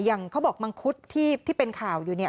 อย่างเขาบอกมังคุดที่เป็นข่าวอยู่เนี่ย